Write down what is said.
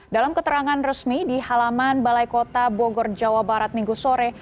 dalam keterangan resmi di halaman balai kota bogor jawa barat minggu sore